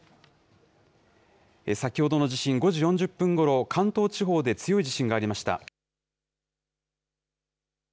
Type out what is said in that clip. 先ほどの地震、５時４０分ごろ、関東地方で強い地震がありました。